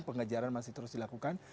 pengejaran masih terus dilakukan